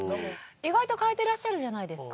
意外と変えてらっしゃるじゃないですか。